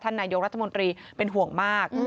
นายกรัฐมนตรีเป็นห่วงมาก